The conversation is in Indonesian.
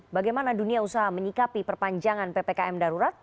bagaimana dunia usaha menyikapi perpanjangan ppkm darurat